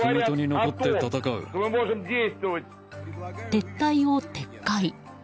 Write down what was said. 撤退を撤回。